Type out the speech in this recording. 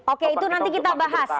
oke itu nanti kita bahas